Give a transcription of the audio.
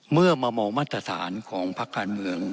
เมื่อมามองมาตรฐานของพักการเมือง